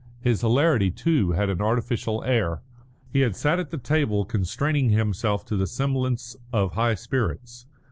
His hilarity, too, had an artificial air. He had sat at the table constraining himself to the semblance of high spirits.